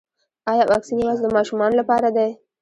ایا واکسین یوازې د ماشومانو لپاره دی